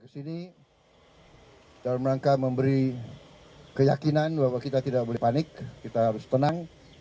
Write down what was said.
cara merangka memberi keyakinan bahwa kita tidak boleh panik kita harus tenang